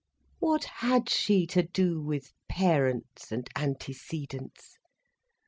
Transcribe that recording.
What had she to do with parents and antecedents?